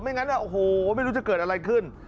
งั้นโอ้โหไม่รู้จะเกิดอะไรขึ้น